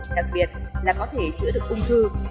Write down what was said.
đặc biệt là có thể chữa được ung thư